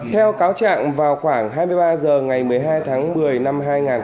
theo cáo trạng vào khoảng hai mươi ba h ngày một mươi hai tháng một mươi năm hai nghìn một mươi ba